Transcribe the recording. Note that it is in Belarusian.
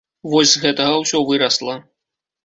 Вось з гэтага ўсё вырасла.